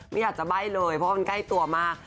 ไม่อยากจะใบ้เลยเพราะมันใกล้ตัวมาก